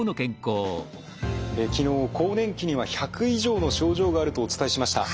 昨日更年期には１００以上の症状があるとお伝えしました。